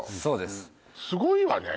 すごいわね